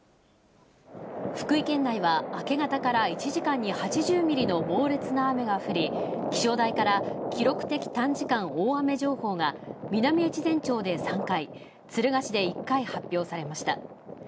福井県内は明け方から１時間に８０ミリの猛烈な雨が降り、気象台から記録的短時間大雨情報が、南越前町で３回、敦賀市で１回発表されました。